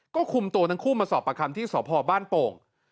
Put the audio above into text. ก็คุมตัวทั้งคู่มาสอบประคัมที่สพบ้านโป่ง